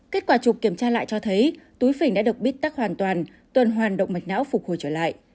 kết quả chụp kiểm tra lại cho thấy túi phình đã được bít tắc hoàn toàn tuần hoàn động mạch não phục hồi trở lại